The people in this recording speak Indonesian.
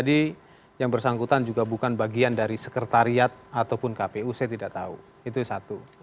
yang bersangkutan juga bukan bagian dari sekretariat ataupun kpu saya tidak tahu itu satu